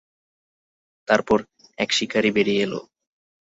তারপর, এক শিকারী বেরিয়ে এল।